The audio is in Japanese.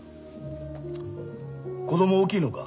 子供大きいのか？